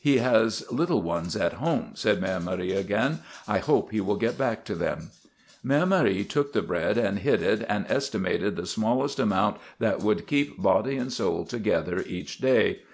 "He has little ones at home," said Mère Marie again. "I hope he will get back to them." Mère Marie took the bread and hid it and estimated the smallest amount that would keep body and soul together each day.